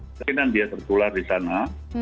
mungkin dia terpulang di sana